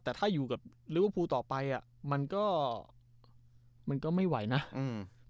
แต่ถ้าอยู่กับลิเวอร์พูลต่อไปอ่ะมันก็มันก็ไม่ไหวนะอืม